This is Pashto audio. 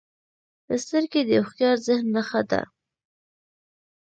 سترګې د هوښیار ذهن نښه ده